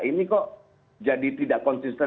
ini kok jadi tidak konsisten